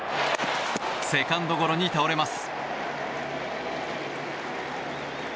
セカンドゴロに倒れます。